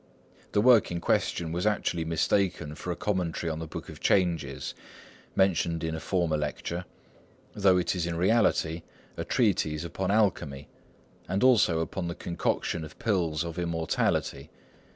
The work in question was actually mistaken for a commentary on the Book of Changes, mentioned in a former lecture, though it is in reality a treatise upon alchemy, and also upon the concoction of pills of immortality.